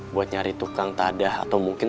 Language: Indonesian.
buat nyari tukang tadah atau mungkin